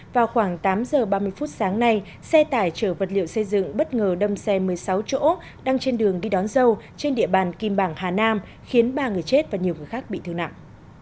vào khoảng tám giờ ba mươi phút sáng nay xe tải chở vật liệu xây dựng bất ngờ đâm xe một mươi sáu chỗ đang trên đường đi đón dâu trên địa bàn kim bảng hà nam khiến ba người chết và nhiều người khác bị thương nặng